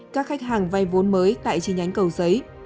các khách hàng vay vốn mới tại chi nhánh cầu giấy